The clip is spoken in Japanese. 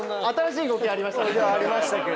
新しい動きありました。